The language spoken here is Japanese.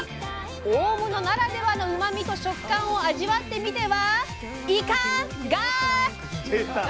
大物ならではのうまみと食感を味わってみては「イカ」が⁉出た！